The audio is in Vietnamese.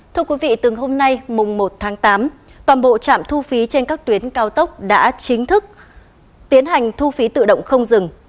thưa quý vị từng hôm nay mùng một tháng tám toàn bộ trạm thu phí trên các tuyến cao tốc đã chính thức tiến hành thu phí tự động không dừng